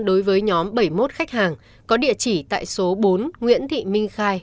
đối với nhóm bảy mươi một khách hàng có địa chỉ tại số bốn nguyễn thị minh khai